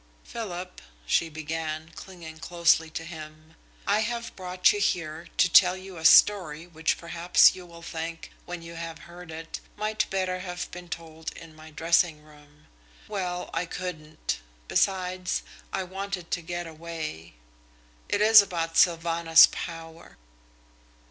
"Philip," she began, clinging closely to him, "I have brought you here to tell you a story which perhaps you will think, when you have heard it, might better have been told in my dressing room. Well, I couldn't. Besides, I wanted to get away. It is about Sylvanus Power."